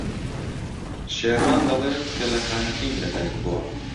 شێروان دەڵێت کە لە خانەقین لەدایک بووە.